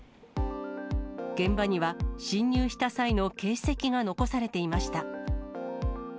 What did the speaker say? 現場には、侵入した際の形跡が残されていました。